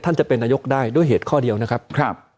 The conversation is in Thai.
จะเป็นนายกได้ด้วยเหตุข้อเดียวนะครับ